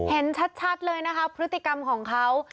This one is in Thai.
เห็นชัดเลยนะคะพฤติกรรมของเขา